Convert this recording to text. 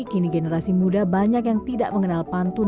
kini generasi muda banyak yang tidak mengenal pantun